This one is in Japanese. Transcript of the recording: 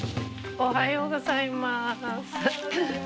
おはようございます。